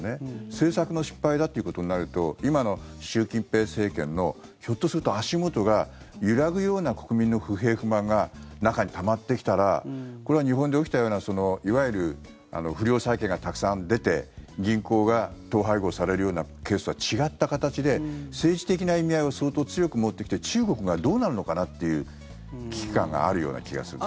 政策の失敗だということになると今の習近平政権のひょっとすると足元が揺らぐような国民の不平不満が中にたまってきたらこれは日本で起きたようないわゆる不良債権がたくさん出て、銀行が統廃合されるようなケースとは違った形で政治的な意味合いを相当強く持ってきて中国がどうなるのかなという危機感がある気がします。